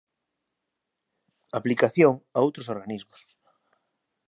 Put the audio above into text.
Aplicación a outros organismos.